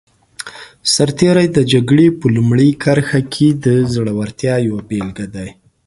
سرتېری د جګړې په لومړي کرښه کې د زړورتیا یوه بېلګه دی.